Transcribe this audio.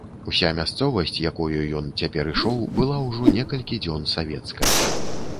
Уся мясцовасць, якою ён цяпер ішоў, была ўжо некалькі дзён савецкая.